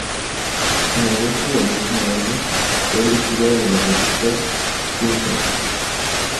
En agosto de ese mismo año, fue elegida de la revista Penthouse.